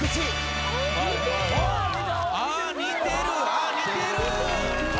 あっ似てる！